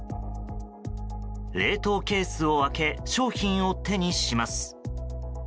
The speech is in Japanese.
冷凍ケースを開け商品を手にします。